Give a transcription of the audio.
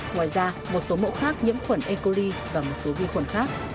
ngoài ra một số mẫu khác nhiễm khuẩn e coli và một số vi khuẩn khác